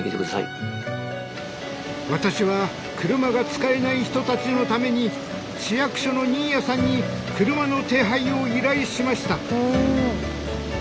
私は車が使えない人たちのために市役所の新谷さんに車の手配を依頼しました。